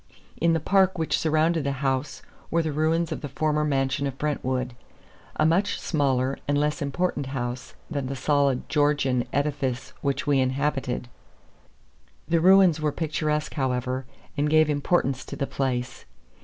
In the park which surrounded the house were the ruins of the former mansion of Brentwood, a much smaller and less important house than the solid Georgian edifice which we inhabited. The ruins were picturesque, however, and gave importance to the place.